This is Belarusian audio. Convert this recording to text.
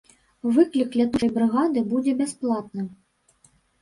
Выклік лятучай брыгады будзе бясплатным.